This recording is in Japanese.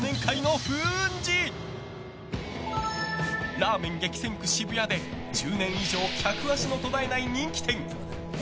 ラーメン激戦区・渋谷で１０年以上客足の途絶えない人気店鬼